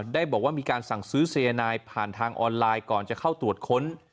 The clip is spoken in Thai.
ได้บอกว่ามีการสั่งซื้อสายนายผ่านทางออนไลน์ก่อนจะเข้าตรวจค้น